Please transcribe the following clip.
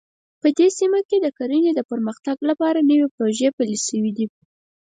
په دې سیمه کې د کرنې د پرمختګ لپاره نوې پروژې پلې شوې دي